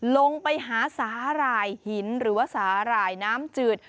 ลงไปหาสาหร่ายหินหรือว่าสาหร่ายน้ำจืด